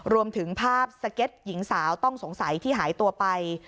รวมถึงภาพสเก็ตหญิงสาวต้องสงสัยที่หายตัวไป